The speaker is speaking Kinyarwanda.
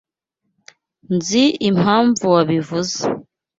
Nzi impamvu wabivuze.